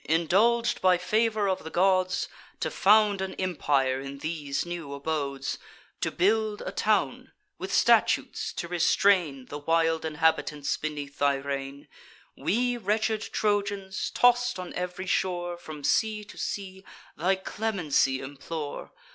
indulg'd by favour of the gods To found an empire in these new abodes, To build a town, with statutes to restrain The wild inhabitants beneath thy reign, We wretched Trojans, toss'd on ev'ry shore, From sea to sea, thy clemency implore.